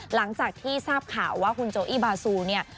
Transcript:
หลังจากที่ทราบข่าวว่าคุณโจอี้บาซูเนี่ย